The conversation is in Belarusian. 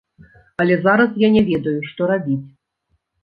Але зараз я не ведаю, што рабіць.